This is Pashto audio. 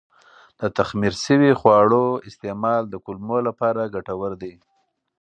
د تخمیر شوي خواړو استعمال د کولمو لپاره ګټور دی.